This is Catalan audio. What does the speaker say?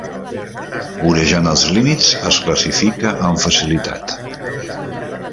Vorejant els límits es classifica amb facilitat.